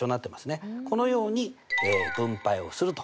このように分配をすると。